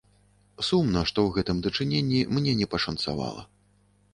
Сумна, што ў гэтым дачыненні мне не пашанцавала.